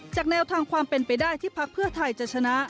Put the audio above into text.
แนวทางความเป็นไปได้ที่พักเพื่อไทยจะชนะ